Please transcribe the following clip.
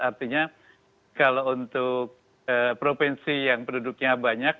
artinya kalau untuk provinsi yang penduduknya banyak